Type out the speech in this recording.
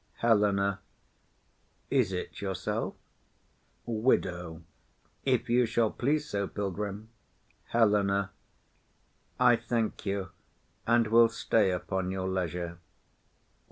HELENA. Is it yourself? WIDOW. If you shall please so, pilgrim. HELENA. I thank you, and will stay upon your leisure.